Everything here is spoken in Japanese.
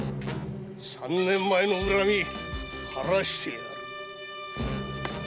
三年前の恨み晴らしてやる！